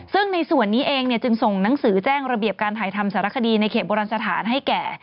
ซึ่งในส่วนนี้เองจึงส่งหนังสือแจ้งระเบียบการถ่ายทำสารคดีในเขตโบราณสถานให้แก่